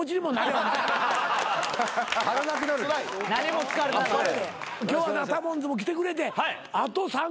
今日はタモンズも来てくれてあと３人。